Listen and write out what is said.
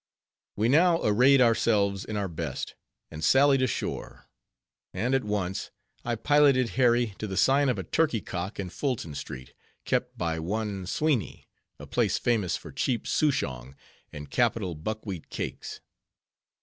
We now arrayed ourselves in our best, and sallied ashore; and, at once, I piloted Harry to the sign of a Turkey Cock in Fulton street, kept by one Sweeny, a place famous for cheap Souchong, and capital buckwheat cakes.